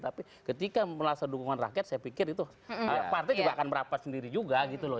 tapi ketika merasa dukungan rakyat saya pikir itu partai juga akan merapat sendiri juga gitu loh